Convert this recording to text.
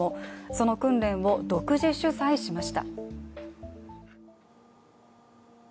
その訓練を独自取材しました。